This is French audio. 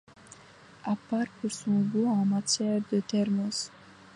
À part pour son goût en matière de thermos.